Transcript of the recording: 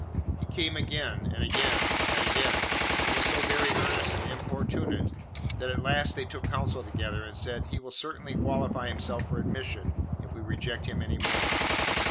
He came again, and again, and again, and was so very earnest and importunate, that at last they took counsel together, and said, 'He will certainly qualify himself for admission, if we reject him any more.